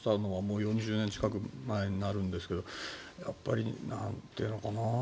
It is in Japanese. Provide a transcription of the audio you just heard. ４０年近く前になるんですけどやっぱり、なんていうのかな。